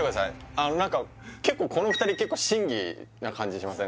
あの何か結構この２人結構審議な感じしません？